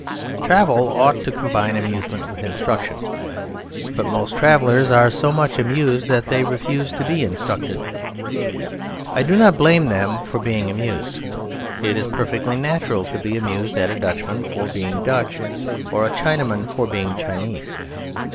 Travel ought to combine amusement with instruction; but most travellers are so much amused that they refuse to be instructed. I do not blame them for being amused; it is perfectly natural to be amused at a Dutchman for being Dutch or a Chinaman for being Chinese.